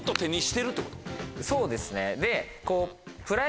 そうですね。